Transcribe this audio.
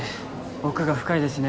奥が深いですね